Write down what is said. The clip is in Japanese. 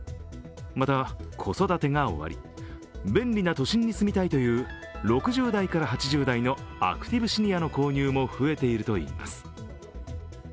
また、子育てが終わり、便利な都心に住みたいという６０代から８０代のアクティブシニアの購入も増えているといいます。